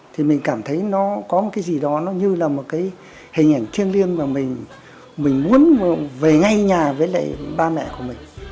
thì mình cảm thấy nó có một cái gì đó nó như là một cái hình ảnh thiêng liêng mà mình muốn về ngay nhà với lại ba mẹ của mình